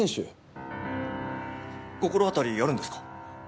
心当たりあるんですか？